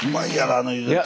あのゆでた。